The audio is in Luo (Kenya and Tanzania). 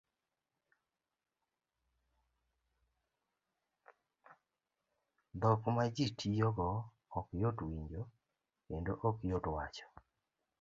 Dhok ma ji tiyo go ok yot winjo kendo ok yot wacho